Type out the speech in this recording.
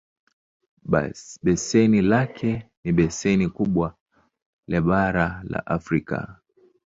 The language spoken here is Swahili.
Beseni lake ni beseni kubwa le bara la Afrika.